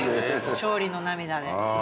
勝利の涙で。